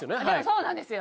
そうなんですよ！